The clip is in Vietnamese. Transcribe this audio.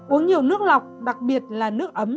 uống nhiều nước lọc đặc biệt là nước ấm